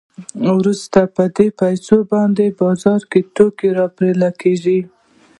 وروسته په دې پیسو باندې بازار کې توکي پېرل کېږي